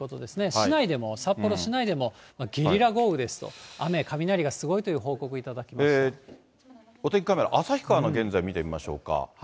市内でも札幌市内でもゲリラ豪雨ですと、雨、雷がすごいという報お天気カメラ、旭川の現在、見てみましょうか。